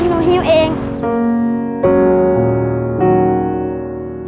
กลับให้ครับ